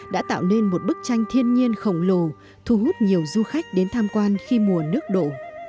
đã tạo nên một bức tranh thiên nhiên khổng lồ thu hút nhiều du khách đến tham quan khi mùa nước đổ